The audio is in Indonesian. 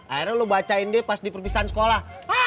akhirnya lu bacain deh pas diperpisahan sekolah